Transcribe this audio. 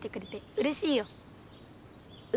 うれしい？